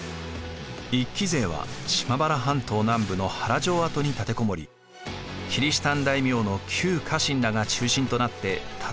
一揆勢は島原半島南部の原城跡に立てこもりキリシタン大名の旧家臣らが中心となって戦いを繰り広げました。